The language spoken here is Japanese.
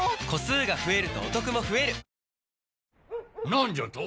何じゃと！